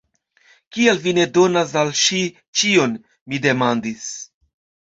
Kial vi ne donas al ŝi ĉion? mi demandis.